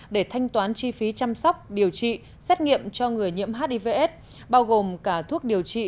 để thanh toán chi phí chăm sóc điều trị xét nghiệm cho người nhiễm hivs bao gồm cả thuốc điều trị